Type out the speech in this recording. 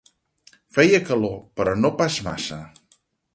Feia calor, però no pas massa.